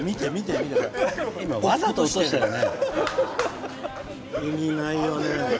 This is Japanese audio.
意味ないよね。